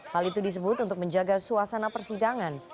hal itu disebut untuk menjaga suasana persidangan